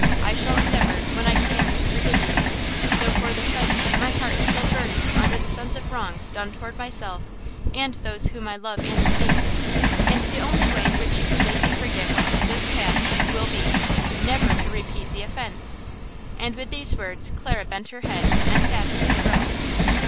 I shall endeavor, when I can, to forgive you, though for the present my heart is still burning under the sense of wrongs done toward myself and those whom I love and esteem, and the only way in which you can make me forget what has just passed will be–never to repeat the offence." And with these words Clara bent her head and passed from the room.